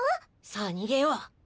さあにげよう。